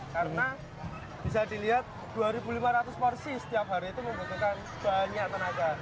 karena bisa dilihat dua lima ratus porsi setiap hari itu membutuhkan banyak tenaga